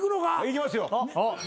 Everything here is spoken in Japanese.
いきますよ。